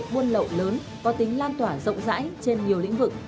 buôn lậu lớn có tính lan tỏa rộng rãi trên nhiều lĩnh vực